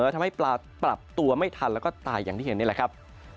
ทำให้ปลาปรับตัวไม่ทันแล้วก็ตายอย่างที่เห็นนี่แหละครับ